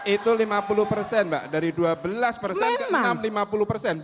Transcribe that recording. itu lima puluh persen mbak dari dua belas persen ke enam lima puluh persen